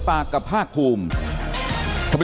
ปากกับภาคภูมิ